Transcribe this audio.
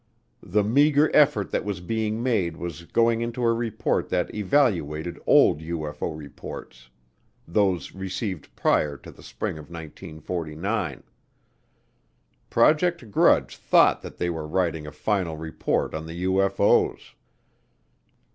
The meager effort that was being made was going into a report that evaluated old UFO reports, those received prior to the spring of 1949. Project Grudge thought that they were writing a final report on the UFO's.